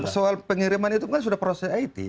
soal pengiriman itu kan sudah proses it